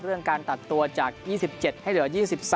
การตัดตัวจาก๒๗ให้เหลือ๒๓